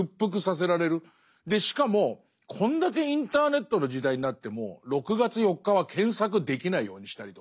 しかもこんだけインターネットの時代になっても６月４日は検索できないようにしたりとか。